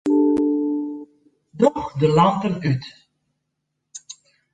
Doch de lampen út.